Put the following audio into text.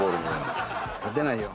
立てないよ。